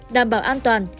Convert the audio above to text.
đảm bảo an toàn